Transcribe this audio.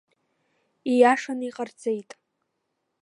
Ииашаны иҟарҵеит.